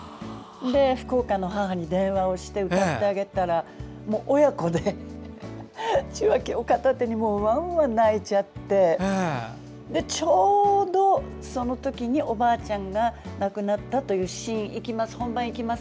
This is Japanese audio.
福岡の母に電話をして歌ってあげたら、親子で受話器を片手にわんわん泣いちゃってちょうどそのときにおばあちゃんが亡くなったというシーン、本番いきます